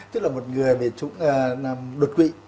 tức là một người bị đột quỵ